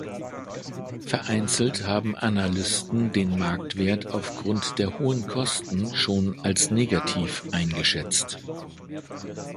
Vereinzelt haben Analysten den Marktwert aufgrund der hohen Kosten schon als negativ eingeschätzt.